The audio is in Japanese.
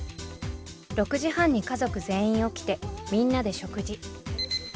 ６時半に家族全員起きてみんなで食事。